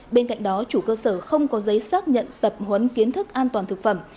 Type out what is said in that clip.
bên cạnh đó chủ cơ sở không có giấy xác nhận tập huấn kiến thức an toàn thực phẩm